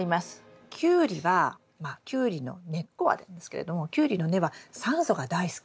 キュウリはキュウリの根っこはなんですけれどもキュウリの根は酸素が大好き。